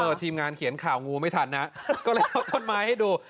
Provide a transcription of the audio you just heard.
ทีมงานเขียนข่าวงูไม่ทันนะก็เลยเอาต้นไม้ให้ดู